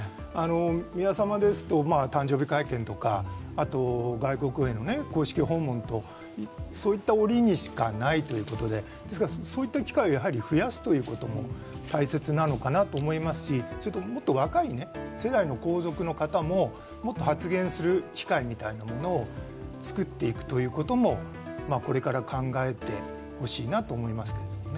宮さまですと誕生日会見とか、外国への公式訪問と、そういった折りにしかないということで、そういった機会を増やすということも大切なのかなと思いますしもっと若い世代の皇族の方ももっと発言する機会を作っていくこともこれから考えてほしいなと思いますけれどもね。